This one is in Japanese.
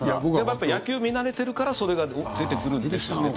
やっぱ野球を見慣れてるからそれが出てくるんですよね。